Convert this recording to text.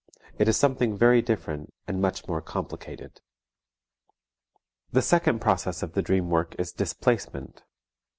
It is something very different and much more complicated. The second process of the dream work is displacement.